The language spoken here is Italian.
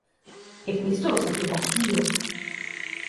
E questo lo sapevo anch'io.